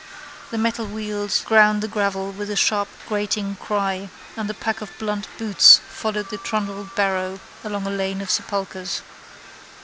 The metal wheels ground the gravel with a sharp grating cry and the pack of blunt boots followed the trundled barrow along a lane of sepulchres.